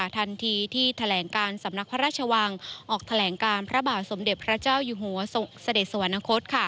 ทันทีที่แผลงการสำนักพระราชว่างออกแผลงการพระบาสมเด็จพระเจ้าหญ้าส่วนสเตสวรรณคต